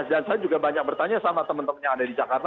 dan saya juga banyak bertanya sama teman teman yang ada di jakarta